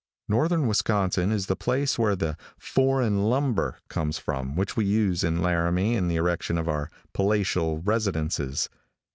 Northern Wisconsin is the place where the "foreign lumber" comes from which we use in Laramie in the erection of our palatial residences.